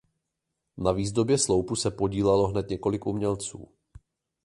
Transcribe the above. Na výzdobě sloupu se podílelo hned několik umělců.